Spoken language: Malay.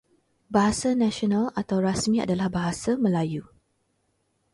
Bahasa nasional atau rasmi adalah Bahasa Melayu.